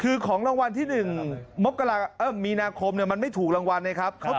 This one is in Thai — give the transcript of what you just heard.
คือของรางวัลที่๑มีนาคมมันไม่ถูกรางวัลไงครับ